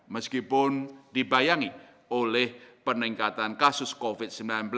meskipun dibayangi oleh peningkatan kasus covid sembilan belas